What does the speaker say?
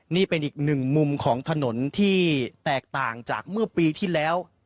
นี่เป็นอีกหนึ่งมุมของถนนที่แตกต่างจากเมื่อปีที่แล้ว